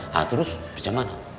nah terus gimana